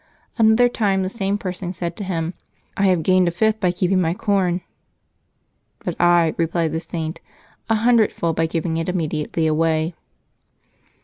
'' Another time the same person said to him, " I have gained a fifth by keeping my corn." *^ But I," replied the Saint, " a hun dredfold by giving it immediately away."